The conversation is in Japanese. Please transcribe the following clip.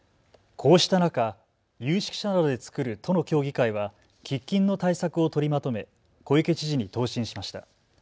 こうした中、有識者などで作る都の協議会は喫緊の対策を取りまとめ小池知事に答申しました。